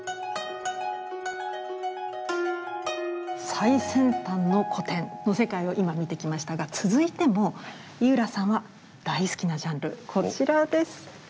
最先端の古典の世界を今見てきましたが続いても井浦さんは大好きなジャンルこちらです。